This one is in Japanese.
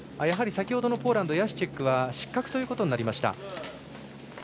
やはり先ほどのポーランドヤシチェックは失格ということになりました。